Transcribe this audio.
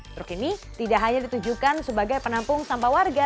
truk ini tidak hanya ditujukan sebagai penampung sampah warga